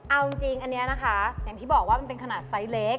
เอาจริงอันนี้นะคะอย่างที่บอกว่ามันเป็นขนาดไซส์เล็ก